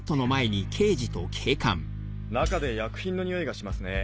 中で薬品の臭いがしますね。